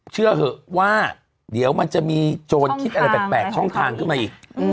เชื่อเถอะว่าเดี๋ยวมันจะมีโจรคิดอะไรแปลกช่องทางขึ้นมาอีก